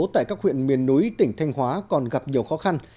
tại các huyện miền núi tỉnh thanh hóa còn gặp nhiều khó khăn